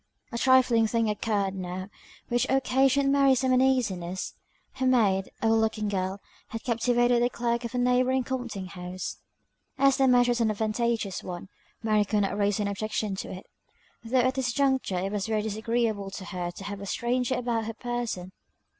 A trifling thing occurred now which occasioned Mary some uneasiness. Her maid, a well looking girl, had captivated the clerk of a neighbouring compting house. As the match was an advantageous one, Mary could not raise any objection to it, though at this juncture it was very disagreeable to her to have a stranger about her person.